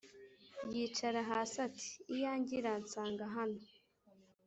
yicara hasi ati iyanjye iransanga hano!